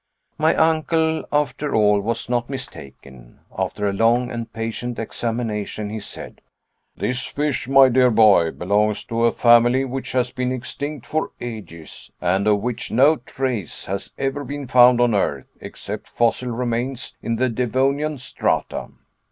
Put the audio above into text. My uncle, after all, was not mistaken. After a long and patient examination, he said: "This fish, my dear boy, belongs to a family which has been extinct for ages, and of which no trace has ever been found on earth, except fossil remains in the Devonian strata."